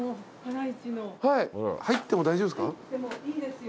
入っても大丈夫ですか？